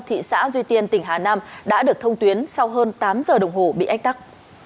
thị xã duy tiên tỉnh hà nam đã được thông tuyến sau hơn tám giờ đồng hồ bị ách tắc